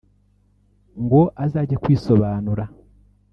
ngo azajye kwisobanura